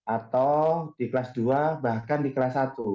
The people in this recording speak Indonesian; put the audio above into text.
atau di kelas dua bahkan di kelas satu